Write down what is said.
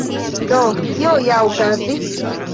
Do, kio ja okazis?